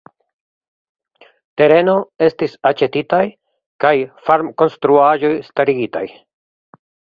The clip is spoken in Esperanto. Tereno estis aĉetitaj kaj farmkonstruaĵoj starigitaj.